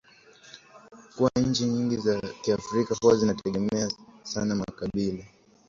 kuwa nchi nyingi za kiafrika huwa zinategemea sana makabila